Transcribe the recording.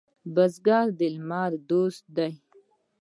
بزګر د لمر دوست دی